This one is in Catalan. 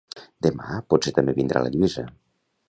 Demà potser també vindrà la Lluïsa